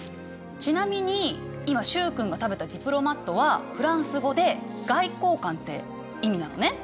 ちなみに今習君が食べたディプロマットはフランス語で外交官って意味なのね。